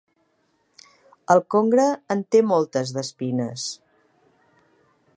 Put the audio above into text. El congre en té moltes d'espines.